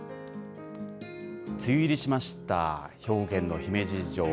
梅雨入りしました、兵庫県の姫路城。